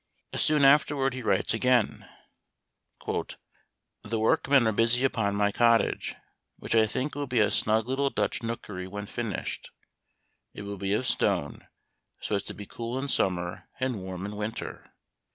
Soon afterward he writes again :" The workmen 244 Memoir of Washington Irving. are busy upon my cottage, which I think will be a snug little Dutch nookery when finished. It will be of stone, so as to be cool in summer and warm in winter.